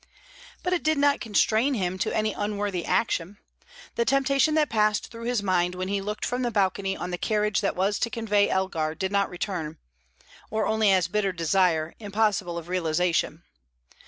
But it did not constrain him to any unworthy action. The temptation that passed through his mind when he looked from the balcony on the carriage that was to convey Elgar, did not return or only as a bitter desire, impossible of realization.